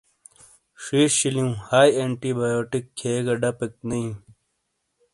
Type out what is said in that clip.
ݜیݜ شیلیوں ہائی اینٹی بایوٹیک کھیے گہ ڈَپیک نے بِیں۔